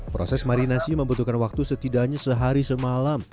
proses marinasi membutuhkan waktu setidaknya sehari semalam